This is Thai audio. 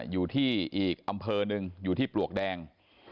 อยู่ที่อีกอำเภอหนึ่งอยู่ที่ปลวกแดง